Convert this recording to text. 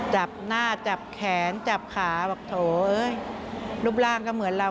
จับหน้าจับแขนจับขาบอกโถเอ้ยรูปร่างก็เหมือนเรา